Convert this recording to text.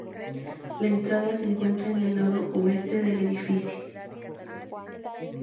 La entrada se encuentra en el lado oeste del edificio.